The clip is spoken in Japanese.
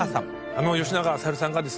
あの吉永小百合さんがですね